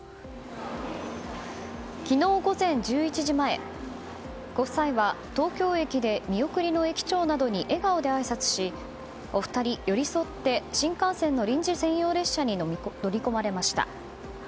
昨日午前１１時前、ご夫妻は東京駅で見送りの駅長などに笑顔であいさつしお二人寄り添って新幹線の臨時専用列車に乗り込まれました。